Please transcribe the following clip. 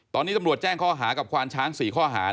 ตอนนี้ตำรวจแจ้งข้อหากับควานช้าง๔ข้อหา